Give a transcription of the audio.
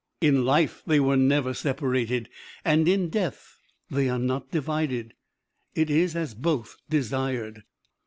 In life they were never separated, and in death they are not divided. It is as both desired.